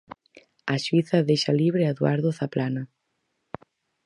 A xuíza deixa libre a Eduardo Zaplana.